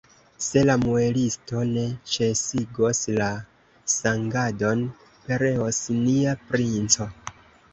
Se la muelisto ne ĉesigos la sangadon, pereos nia princo!